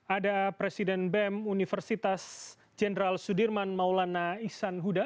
ada presiden bem universitas jenderal sudirman maulana ihsan huda